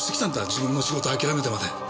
自分の仕事諦めてまで。